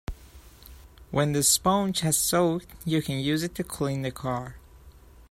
When the sponge has soaked, you can use it to clean the car.